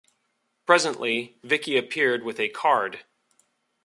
Presently, Vicky appeared with a card.